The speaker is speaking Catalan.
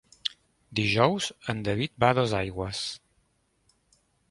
Dijous en David va a Dosaigües.